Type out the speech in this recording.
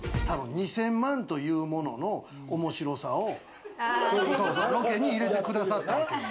２０００万というものの面白さを、ロケに入れてくださったわけよ。